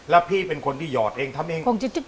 แล้วพี่เป็นคนที่หยอดเองทำเอง